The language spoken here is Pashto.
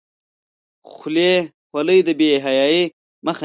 خولۍ د بې حیايۍ مخه نیسي.